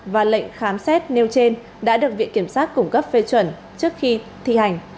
và lệnh khám xét nêu trên đã được viện kiểm sát củng cấp phê chuẩn trước khi thi hành